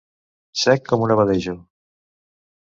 Sec com un abadejo.